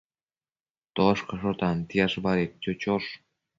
Toshcasho tantiash badedquio chosh